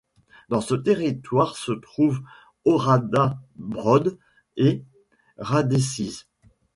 Dans ce territoire se trouvent Ohrada, Brod et Radešice.